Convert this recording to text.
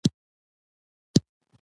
کلیوالي ژوند ډېر ساده او خوندور وي.